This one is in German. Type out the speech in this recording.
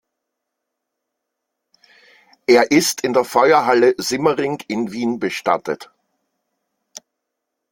Er ist in der Feuerhalle Simmering in Wien bestattet.